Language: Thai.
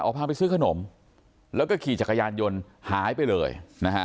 พาไปซื้อขนมแล้วก็ขี่จักรยานยนต์หายไปเลยนะฮะ